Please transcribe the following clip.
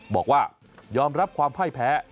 บอกว่ายอมรับความพ่ายแพ้